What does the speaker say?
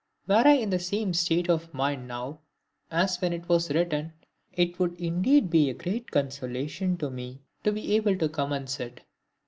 Were I in the same state of mind now as when it was written, it would indeed be a great consolation to me to be able to commence it."